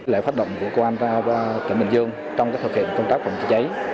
lễ phát động của công an tỉnh bình dương trong thực hiện công tác phòng cháy cháy